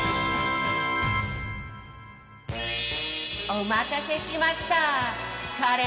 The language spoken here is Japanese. おまたせしました！